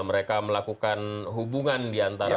mereka melakukan hubungan di antara mereka